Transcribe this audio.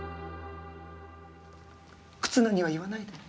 忽那には言わないでね。